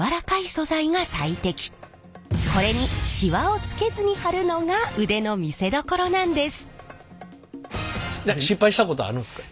これにシワをつけずに貼るのが腕の見せどころなんです。